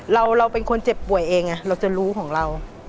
เราเป็นคนเจ็บป่วยเองเราจะรู้ของเรา